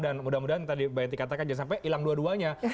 dan mudah mudahan tadi mbak yati katakan jangan sampai hilang dua duanya